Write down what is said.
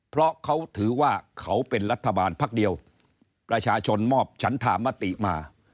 เพราะเขาถือว่าเขาเป็นรัฐบาลพักเดียวประชาชนมอบฉันธามติมา